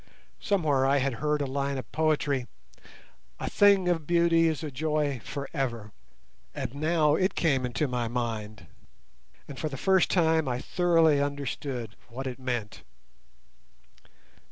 Somewhere I had heard a line of poetry, A thing of beauty is a joy for ever, and now it came into my mind, and for the first time I thoroughly understood what it meant.